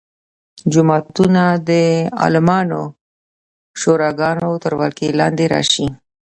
جوماتونه د عالمانو شوراګانو تر ولکې لاندې راشي.